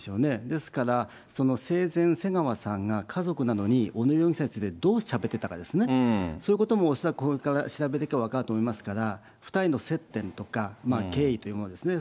ですから生前、瀬川さんが、家族などに小野容疑者についてどうしゃべってたかですね、そういうことも恐らく、これから調べると分かると思いますから、２人の接点とか、経緯というものですね。